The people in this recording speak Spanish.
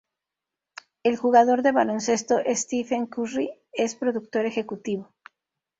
El jugador de baloncesto Stephen Curry es productor ejecutivo.